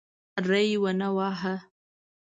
ری ونه واهه.